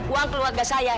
uang keluarga saya